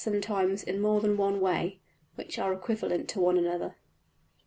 png}% sometimes in more than one way (which are equivalent to one another).